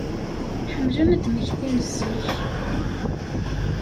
Ḥemmlen ad d-mmektin zik.